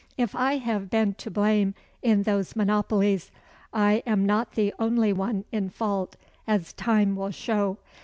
If I have been to blame in those monopolies, I am not the only one in fault, as time will show.